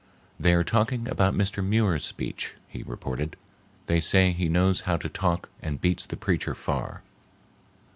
"They are talking about Mr. Muir's speech," he reported. "They say he knows how to talk and beats the preacher far."